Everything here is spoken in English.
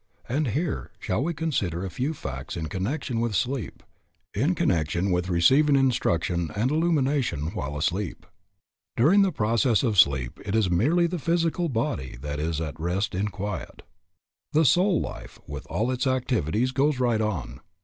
And here shall we consider a few facts in connection with sleep, in connection with receiving instruction and illumination while asleep? During the process of sleep it is merely the physical body that is at rest and in quiet; the soul life with all its activities goes right on.